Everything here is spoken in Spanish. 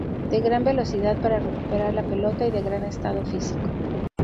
De gran velocidad para recuperar la pelota y de gran estado físico.